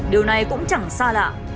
điều này cũng chẳng xa lạ